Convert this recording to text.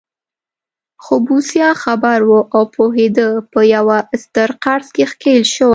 خو بوسیا خبر و او پوهېده په یوه ستر قرض کې ښکېل شوی.